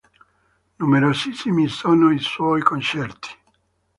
Numerosissimi sono i suoi concerti.